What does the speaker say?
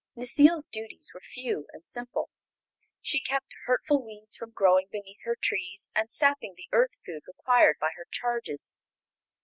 Necile's duties were few and simple. She kept hurtful weeds from growing beneath her trees and sapping the earth food required by her charges.